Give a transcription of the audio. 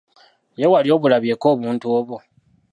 Ye wali obulabyeko obuntu obwo?